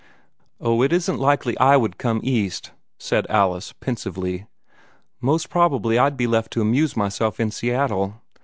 "Oh, it isn't likely I would come East," said Alice, pensively. "Most probably I'd be left to amuse myself in Seattle.